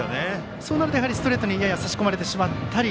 そうなると、ストレートにやや差し込まれてしまったり。